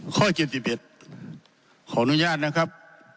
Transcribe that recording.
ข้อเจ็ดสิบเอ็ดขออนุญาตนะครับ